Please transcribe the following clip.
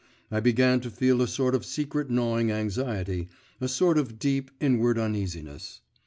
I began to feel a sort of secret gnawing anxiety, a sort of deep, inward uneasiness.